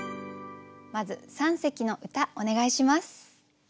まず三席の歌お願いします。